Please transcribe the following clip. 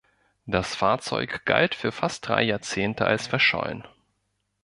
Das Fahrzeug galt für fast drei Jahrzehnte als verschollen.